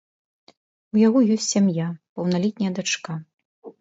У яго ёсць сям'я, паўналетняя дачка.